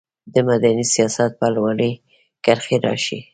د مدني سیاست په لوري کرښې راښيي.